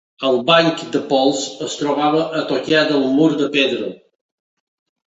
El banc de pols es trobava a tocar del mur de pedra.